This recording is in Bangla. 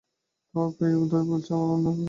তোমার পায়ে ধরে বলছি আর অন্যায় করব না।